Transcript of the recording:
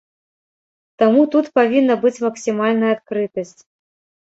Таму тут павінна быць максімальная адкрытасць.